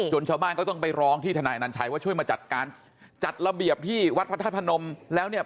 ชาวบ้านก็ต้องไปร้องที่ทนายอนัญชัยว่าช่วยมาจัดการจัดระเบียบที่วัดพระธาตุพนมแล้วเนี่ย